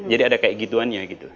jadi ada kayak gituannya gitu